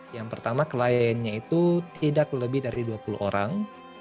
yang pertama kliennya itu tidak lebih dari dua puluh orang